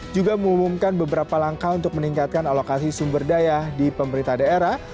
juga mengumumkan beberapa langkah untuk meningkatkan alokasi sumber daya di pemerintah daerah